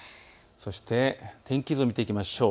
そして天気図を見ていきましょう。